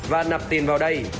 và nập tiền vào đây